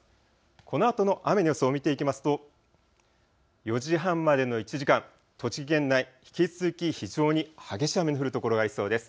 このあとの雨の予想を見ていきますと４時半までの１時間、栃木県内、引き続き非常に激しい雨の降る所がありそうです。